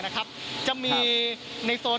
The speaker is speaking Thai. นะครับจะมีในโซน